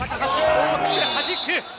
大きくはじく。